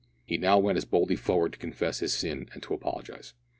He now went as boldly forward to confess his sin and to apologise.